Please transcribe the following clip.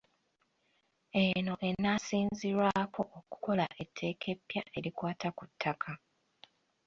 Eno enaasinzirwako okukola etteeka eppya erikwata ku ttaka.